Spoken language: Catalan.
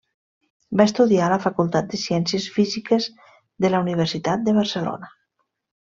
Va estudiar a la Facultat de Ciències Físiques de la Universitat de Barcelona.